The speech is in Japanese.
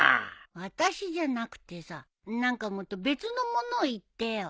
あたしじゃなくてさ何かもっと別のものを言ってよ。